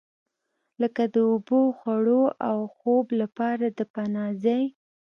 لکه د اوبو، خوړو او خوب لپاره د پناه ځای.